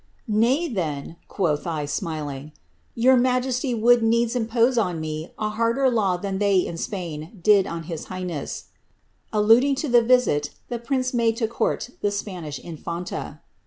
^^ Na}% then,^^ quoth 1, smiling, ^' your majesty would needs impose on me a harder law than they in Spain did on his highness" (alluding to the visit the prince made to court the Spanish infanta).